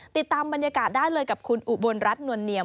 ติดตามบรรยากาศได้เลยกับคุณอุบลรัฐนวลเนียม